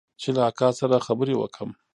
چې له اکا سره خبرې وکم.